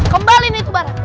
kembali nih itu barang